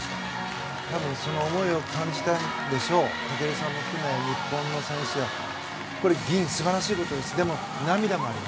その思いを感じたんでしょう、翔さんも含め日本の選手銀、素晴らしいことです。